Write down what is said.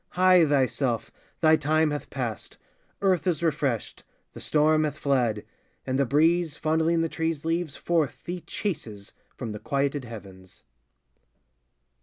Hie thyself: thy time hath passed: Earth is refreshed; the storm hath fled; And the breeze, fondling the trees' leaves Forth thee chases from the quieted heavens!